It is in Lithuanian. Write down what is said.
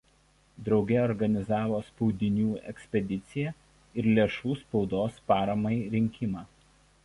Drauge organizavo spaudinių ekspediciją ir lėšų spaudos paramai rinkimą.